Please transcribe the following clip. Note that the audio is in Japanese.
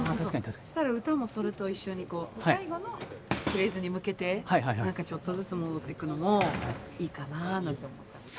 そしたら歌もそれと一緒に最後のフレーズに向けてちょっとずつ戻ってくのもいいかななんて思ってます。